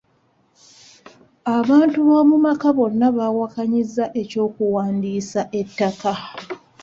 Abantu b'omu maka bonna baawakanyizza eky'okuwandiisa ettaka.